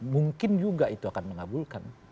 mungkin juga itu akan mengabulkan